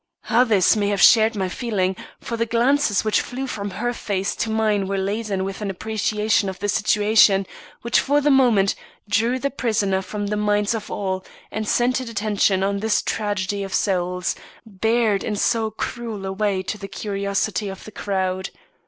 Others may have shared my feeling; for the glances which flew from her face to mine were laden with an appreciation of the situation, which for the moment drove the prisoner from the minds of all, and centred attention on this tragedy of souls, bared in so cruel a way to the curiosity of the crowd.